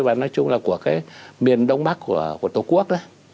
và nói chung là của cái miền đông bắc của tổ quốc